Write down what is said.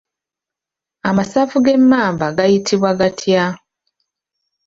Amasavu g'emmamba gayitibwa gatya?